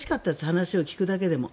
話を聞くだけでも。